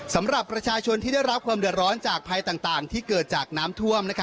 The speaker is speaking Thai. สำหรับประชาชนที่ได้รับความเดือดร้อนจากภัยต่างที่เกิดจากน้ำท่วม